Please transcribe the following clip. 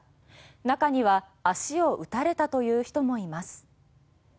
中には足を撃たれたという人もいます。